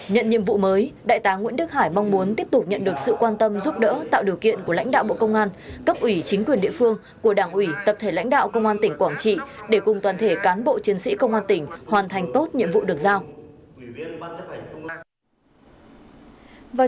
phát biểu tại buổi lễ thứ trưởng lê quốc hùng chúc mừng các cán bộ được điều động bổ nhiệm nhận nhiệm vụ mới đại tá nguyễn đức hải là những cán bộ có quá trình phân đấu rèn luyện luôn hoàn thành xuất sắc nhiệm vụ được giao